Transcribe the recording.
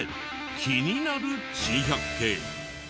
気になる珍百景。